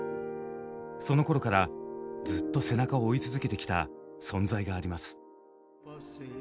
そのころからずっと背中を追い続けてきた存在があります。